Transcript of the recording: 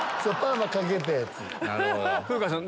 風花さん